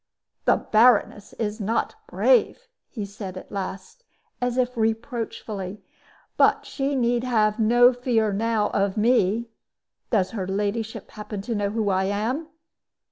"The Baroness is not brave," he said at last, as if reproachfully; "but she need have no fear now of me. Does her ladyship happen to know who I am?"